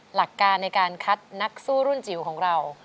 หลักการในการคัดนักสู้รุ่นจิ๋วของเรา